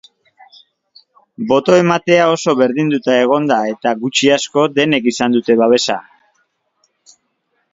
Boto-ematea oso berdinduta egon da eta, gutxi-asko, denek izan dute babesa.